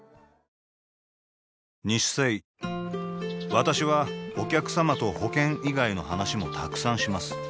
私はお客様と保険以外の話もたくさんします